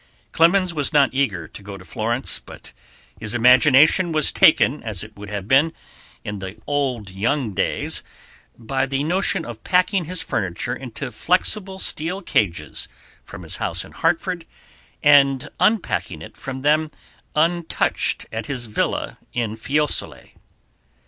Clemens was not eager to go to Florence, but his imagination was taken as it would have been in the old young days by the notion of packing his furniture into flexible steel cages from his house in Hartford and unpacking it from them untouched at his villa in Fiesole.